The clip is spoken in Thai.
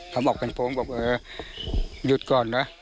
เขาบอกเป็นโพงบอกเออหยุดก่อนนะ